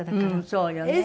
そうよね。